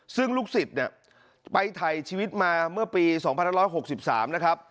ซึ่งลูกศิษย์เนี่ยไปไทยชีวิตมาเมื่อปีสองพันร้อยร้อยหกสิบสามนะครับ